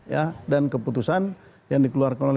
ya dan keputusan yang dikeluarkan oleh